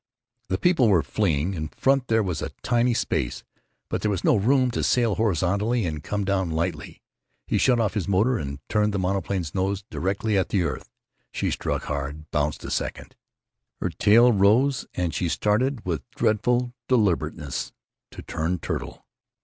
The people were fleeing. In front there was a tiny space. But there was no room to sail horizontally and come down lightly. He shut off his motor and turned the monoplane's nose directly at the earth. She struck hard, bounced a second. Her tail rose, and she started, with dreadful deliberateness, to turn turtle.